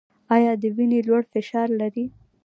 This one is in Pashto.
ایا د وینې لوړ فشار لرئ؟